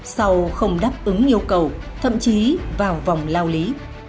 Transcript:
sau không đáp ứng yêu cầu thậm chí vào vòng lao lý